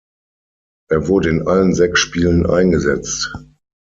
Er wurde in allen sechs spielen eingesetzt.